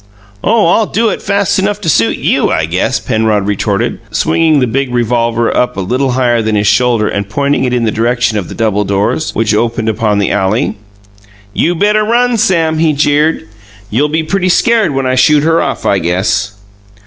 "Oh, I'll do it fast enough to suit YOU, I guess," Penrod retorted, swinging the big revolver up a little higher than his shoulder and pointing it in the direction of the double doors, which opened upon the alley. "You better run, Sam," he jeered. "You'll be pretty scared when I shoot her off, I guess."